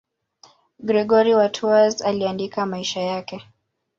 Gregori wa Tours aliandika maisha yake.